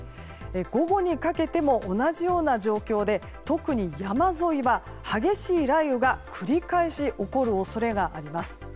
午後にかけても同じような状況で特に山沿いは激しい雷雨が繰り返し起こる恐れがあります。